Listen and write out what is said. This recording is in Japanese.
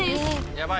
やばい！